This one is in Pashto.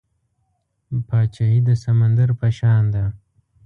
پاچاهي د سمندر په شان ده .